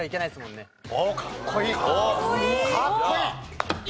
おっかっこいい。